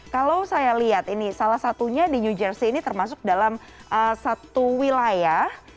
kalau saya lihat ini salah satunya di new jersey ini termasuk dalam satu wilayah